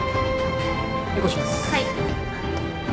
はい。